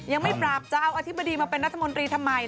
ยังไม่ปราบจะเอาอธิบดีมาเป็นรัฐมนตรีทำไม